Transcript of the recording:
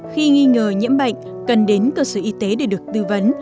khi nghi ngờ nhiễm bệnh cần đến cơ sở y tế để được tư vấn